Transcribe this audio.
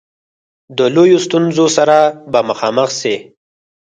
د لویو ستونزو سره به مخامخ سي.